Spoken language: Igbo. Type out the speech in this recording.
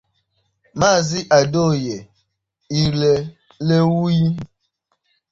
Maazị Adeoye Irelewuyi